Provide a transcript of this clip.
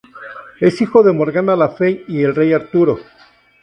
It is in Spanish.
Es hijo de Morgana Le Fey y el Rey Arturo.